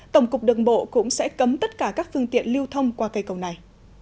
tổng cục đường bộ cũng sẽ cấm tất cả các phương tiện lưu thông qua cây cầu này